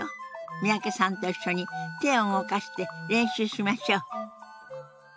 三宅さんと一緒に手を動かして練習しましょう。